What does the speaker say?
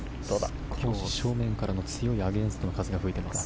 今日も正面からの強いアゲンストの風が吹いています。